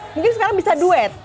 mungkin sekarang bisa duet